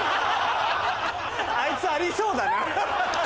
あいつありそうだなハハハハ。